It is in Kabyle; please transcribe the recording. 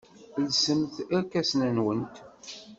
Lsemt irkasen-nwent.